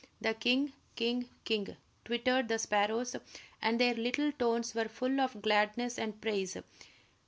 "The king, king, king," twittered the sparrows, and their little tones were full of gladness and praise.